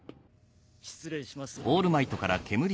失礼します。